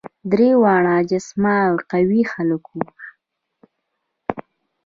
درې واړه جسما قوي خلک وه.